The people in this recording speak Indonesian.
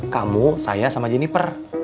kamu saya sama jeniper